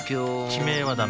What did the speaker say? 地名はダメ